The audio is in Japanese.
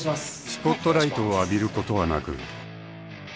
［スポットライトを浴びることはなく］